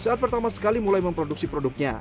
saat pertama sekali mulai memproduksi produknya